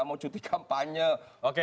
nggak mau cuti kampanye